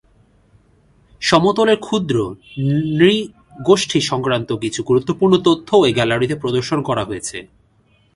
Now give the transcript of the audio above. সমতলের ক্ষুদ্র নৃ-গোষ্ঠী সংক্রান্ত কিছু গুরুত্বপূর্ণ তথ্যও এ গ্যালারিতে প্রদর্শন করা হয়েছে।